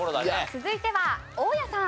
続いては大家さん。